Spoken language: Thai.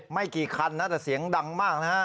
ไม่กี่คันนะแต่เสียงดังมากนะฮะ